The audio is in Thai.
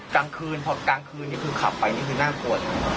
กลางคืนพอกลางคืนนี่คือขับไปนี่คือน่ากลัวนะ